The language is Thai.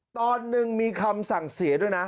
ตอนหนึ่งมีคำสั่งเสียด้วยนะ